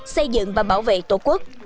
xây dựng và bảo vệ tổ quốc